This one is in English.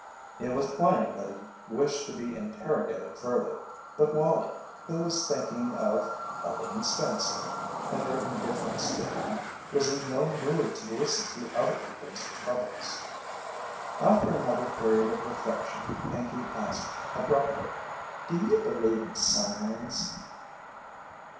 It was plain that he wished to be interrogated further, but Wallie, who was thinking of Helene Spenceley and her indifference to him, was in no mood to listen to other people's troubles. After another period of reflection Pinkey asked abruptly: "Do you believe in signs?"